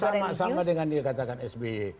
sama sama dengan yang dikatakan sby